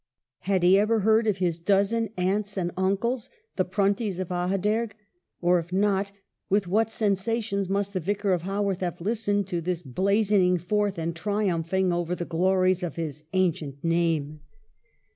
Had he ever heard of his dozen aunts and uncles, the Pruntys of Aha derg ? Or if not, with what sensations must the Vicar of Haworth have listened to this bla zoning forth and triumphing over the glories of his ancient name